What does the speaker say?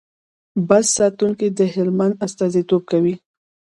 بست ساتونکي د هلمند استازیتوب کوي.